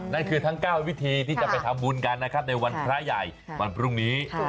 นั่นคือทั้ง๙วิธีที่จะไปทำบุญกันนะครับในวันพระใหญ่วันพรุ่งนี้